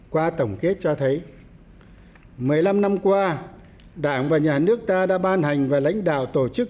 qua tổng kết cho thấy một mươi năm năm qua đảng và nhà nước ta đã ban hành và lãnh đạo tổ chức